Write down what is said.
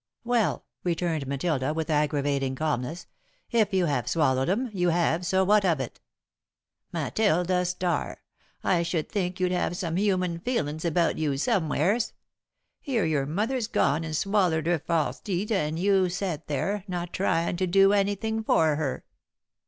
"Well," returned Matilda, with aggravating calmness, "if you have swallowed 'em, you have, so what of it?" "Matilda Starr! I should think you'd have some human feelin's about you somewheres. Here your mother's gone and swallered her false teeth and you set there, not tryin' to do anything for her."